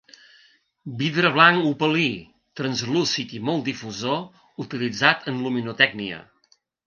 Vidre blanc opalí, translúcid i molt difusor, utilitzat en luminotècnia.